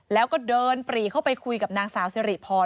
แล้วก็เดินปรีเข้าไปคุยกับนางสาวสิริพร